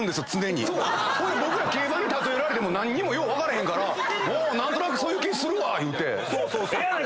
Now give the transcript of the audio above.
僕ら競馬に例えられても何にもよう分からへんからそういう気するわ言うて。